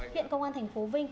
viện công an thành phố vinh